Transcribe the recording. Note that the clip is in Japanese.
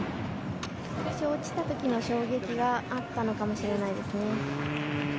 少し落ちた時の衝撃があったのかもしれないですね。